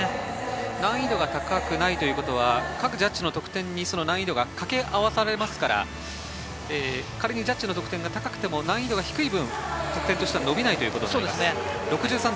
難易度が高くないということは各ジャッジの得点に難易度が掛け合わされますから、仮にジャッジの得点が高くても難易度が低い分得点としては伸びないということですね。